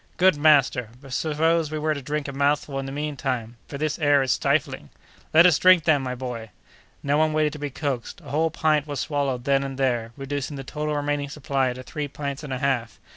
"Good, master! but suppose we were to drink a mouthful in the mean time, for this air is stifling?" "Let us drink then, my boy!" No one waited to be coaxed. A whole pint was swallowed then and there, reducing the total remaining supply to three pints and a half.